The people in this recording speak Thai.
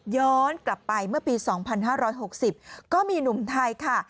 ย้อนกลับไปเมื่อปี๒๕๖๐ก็มีหนุ่มไทยค่ะ